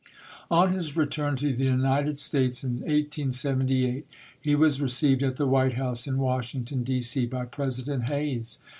On his return to the United States in 1878, he was received at the White House in Washington, D. C., by President Hayes.